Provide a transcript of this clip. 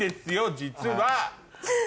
実は。